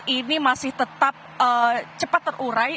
ini masih tetap cepat terurai